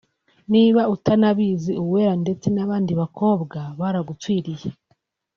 Niba utanabizi Uwera ndetse n’abandi bakobwa baragupfiriye “